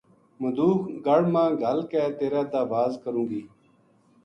مدوکھ گَڑ ما گھل کے تیرے دا واز کروں گی